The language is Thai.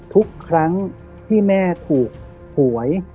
ทุกครั้งที่แม่ถูกหวย